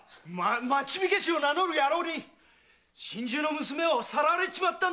町火消しを名乗る野郎に心中の娘をさらわれちまった！